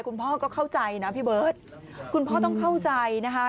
คุณพ่อก็เข้าใจนะพี่เบิร์ตคุณพ่อต้องเข้าใจนะคะ